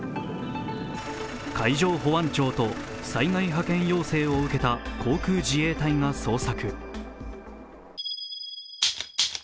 海上保安庁と災害派遣要請を受けた航空自衛隊が捜索。